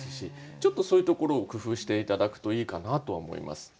ちょっとそういうところを工夫して頂くといいかなとは思います。